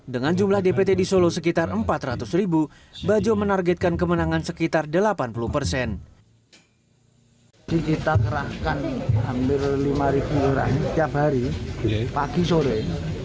dengan jumlah diperlukan bagio wahyono fx suparjo mengunjungi rumah warga solo